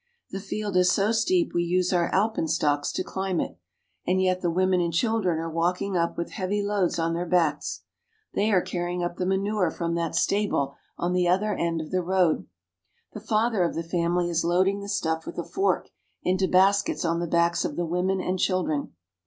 The field is so steep we use our alpenstocks to climb it, and yet the women and children are walking 264 SWITZERLAND. up with heavy loads on their backs. They are carrying up the manure from that stable on the other end of the road. The father of the family is loading the stuff with a fork into baskets on the backs of the women and children.